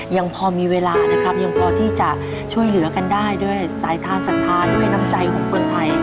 ยังพอมีเวลานะครับยังพอที่จะช่วยเหลือกันได้ด้วยสายทานศรัทธาด้วยน้ำใจของคนไทย